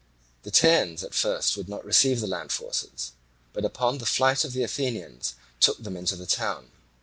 The Teians at first would not receive the land forces, but upon the flight of the Athenians took them into the town.